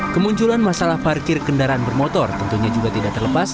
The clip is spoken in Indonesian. kemunculan masalah parkir kendaraan bermotor tentunya juga tidak terlepas